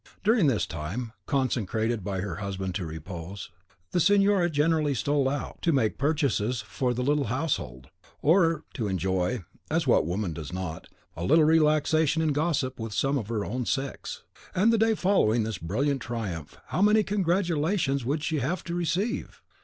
During this time, consecrated by her husband to repose, the signora generally stole out to make the purchases necessary for the little household, or to enjoy (as what woman does not?) a little relaxation in gossip with some of her own sex. And the day following this brilliant triumph, how many congratulations would she have to receive!